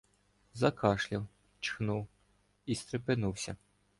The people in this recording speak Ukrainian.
Закашляв, чхнув і стрепенувся: